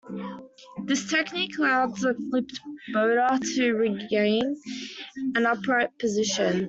This technique allows a flipped boater to regain an upright position.